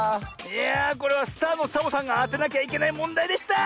いやあこれはスターのサボさんがあてなきゃいけないもんだいでした。